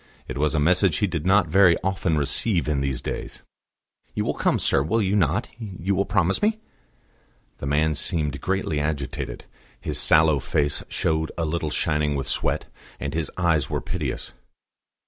It was a message he did not very often receive in these days. "You will come, sir, will you not? You will promise me?" The man seemed greatly agitated; his sallow face showed a little shining with sweat, and his eyes were piteous.